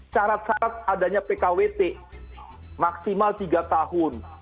syarat syarat adanya pkwt maksimal tiga tahun